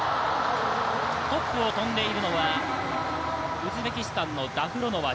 トップを飛んでいるのはウズベキスタンのダフロノワ。